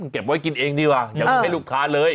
เก็บไว้กินเองดีกว่ายังไม่ให้ลูกทานเลย